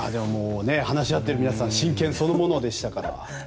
話し合っている皆さんは真剣そのものでしたから。